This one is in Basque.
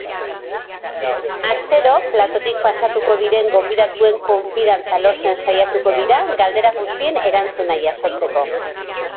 Astero platotik pasatuko diren gonbidatuen konfiantza lortzen saiatuko dira galdera guztien erantzuna jasotzeko.